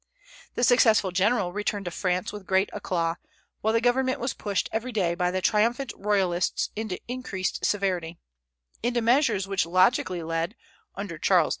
The successful general returned to France with great éclat, while the government was pushed every day by the triumphant Royalists into increased severity, into measures which logically led, under Charles X.